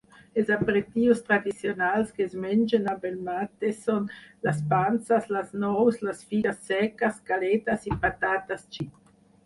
Els aperitius tradicionals que es mengen amb el mate són les panses, les nous, les figues seques, galetes i patates xip.